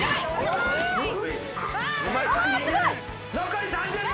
残り３０秒。